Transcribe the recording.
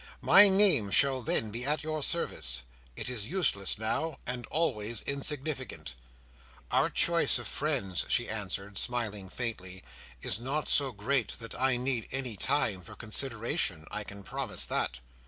My name shall then be at your service; it is useless now, and always insignificant." "Our choice of friends," she answered, smiling faintly, "is not so great, that I need any time for consideration. I can promise that."